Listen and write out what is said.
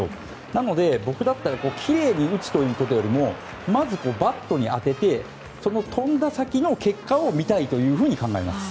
なので、僕だったらきれいに打つことよりもまず、バットに当ててその飛んだ先の結果を見たいというふうに考えます。